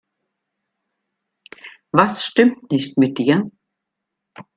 Was stimmt nicht mit dir?